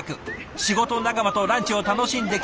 仕事仲間とランチを楽しんできた帰りだそうで。